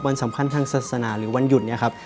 วันสำคัญทางศาสนาหรือวันหยุดเนี่ยครับ